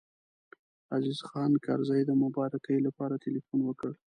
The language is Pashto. عزیز خان کرزی د مبارکۍ لپاره تیلفون وکړ.